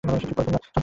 চুপ করো তোমরা।